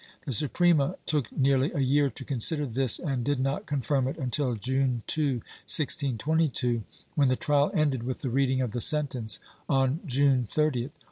The Suprema took nearly a year to consider this and did not confirm it until June 2, 1622, when the trial ended with the reading of the sentence on June 30th.